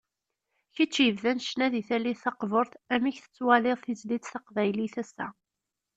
Kečč yebdan ccna deg tallit taqburt, amek tettwaliḍ tizlit taqbaylit ass-a?